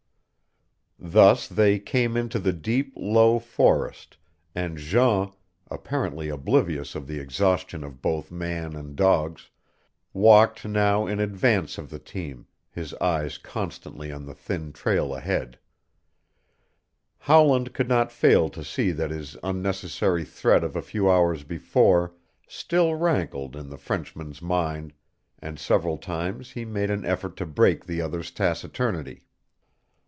Thus they came into the deep low forest, and Jean, apparently oblivious of the exhaustion of both man and dogs, walked now in advance of the team, his eyes constantly on the thin trail ahead. Howland could not fail to see that his unnecessary threat of a few hours before still rankled in the Frenchman's mind, and several times he made an effort to break the other's taciturnity.